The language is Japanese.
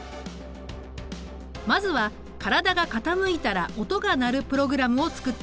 まずは体が傾いたら音が鳴るプログラムを作ってみた。